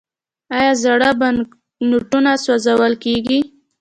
آیا زاړه بانکنوټونه سوځول کیږي؟